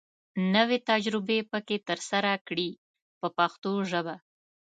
نوې تجربې پکې تر لاسه کړي په پښتو ژبه.